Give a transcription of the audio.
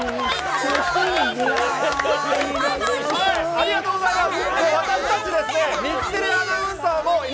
ありがとうございます。